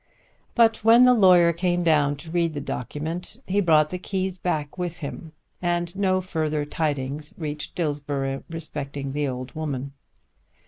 But when the lawyer came down to read the document he brought the keys back with him, and no further tidings reached Dillsborough respecting the old woman.